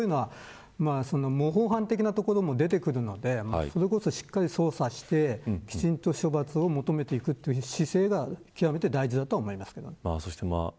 模倣犯的なところも出てくるのでしっかりと捜査をして処罰を求めていくという姿勢が極めて大事だと思います。